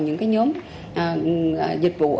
những nhóm dịch vụ